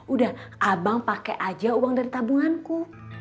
udah abang pakai aja uang dari tabunganku